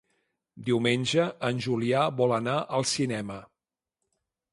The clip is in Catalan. Diumenge en Julià vol anar al cinema.